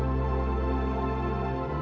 ayo turban turban turban